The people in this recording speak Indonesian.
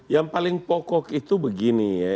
yang paling pokok itu begini ya